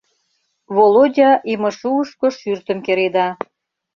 Володя имышуышко шӱртым кереда.